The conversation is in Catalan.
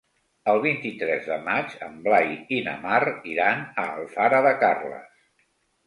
El vint-i-tres de maig en Blai i na Mar iran a Alfara de Carles.